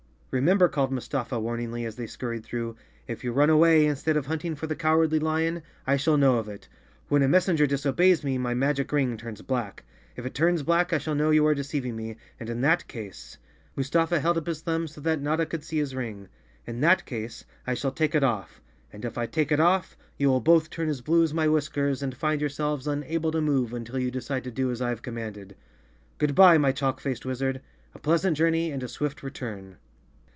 "Remember," called Mustafa warningly, as they scurried through, " if you run away instead of hunting for the Cowardly Lion, I shall know of it. When a messenger disobeys me, my magic ring turns black. If it turns black I shall know you are deceiving me, and in that case"—Mustafa held up his thumb so that Notta could see his ring—"in that case I shall take it off, and if I take it off you will both turn as blue as my whiskers and find yourselves unable to move until you 57 The Cowardly Lion of Oz _ decide to do as I have commanded. Good bye, my chalk¬ faced wizard, a pleasant journey and a swift return!"